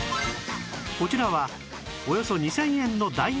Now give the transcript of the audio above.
こちらはおよそ２０００円の大人気パンツ